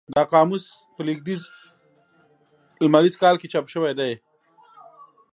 دا قاموس په لېږدیز لمریز کال کې چاپ شوی دی.